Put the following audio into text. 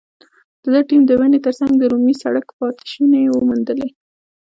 د ده ټیم د ونې تر څنګ د رومي سړک پاتې شونې وموندلې.